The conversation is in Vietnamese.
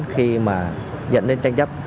khi mà dẫn đến tranh chấp